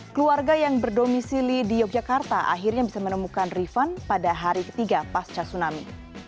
keluarga yang berdomisili di yogyakarta akhirnya bisa menemukan rifan pada hari ketiga pasca tsunami